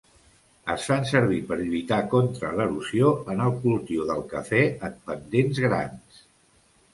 Es fan servir per lluitar contra l'erosió en el cultiu del cafè en pendents grans.